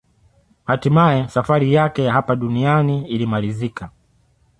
Hatimaye safari yake ya hapa duniani ilimalizika